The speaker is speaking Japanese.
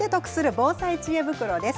防災知恵袋です。